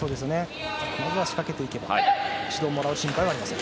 まずは仕掛けていけば指導をもらう心配はありません。